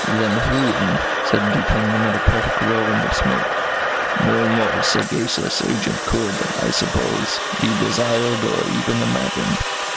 "Than whom," said Dupin, amid a perfect whirlwind of smoke, "no more sagacious agent could, I suppose, be desired or even imagined."